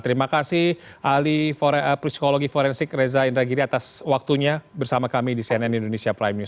terima kasih ahli psikologi forensik reza indragiri atas waktunya bersama kami di cnn indonesia prime news